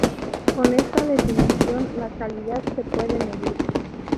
Con esta definición, la calidad se puede medir.